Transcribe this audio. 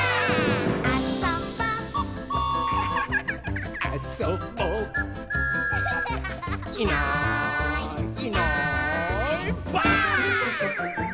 「あそぼ」「あそぼ」「いないいないばあっ！」